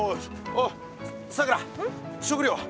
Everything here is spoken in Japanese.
おいさくら食料は？